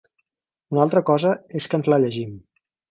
Una altra cosa és que ens la llegim.